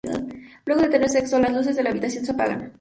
Luego de tener sexo las luces de la habitación se apagan.